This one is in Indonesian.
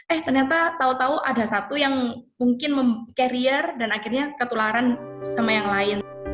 eh ternyata tau tau ada satu yang mungkin carrier dan akhirnya ketularan sama yang lain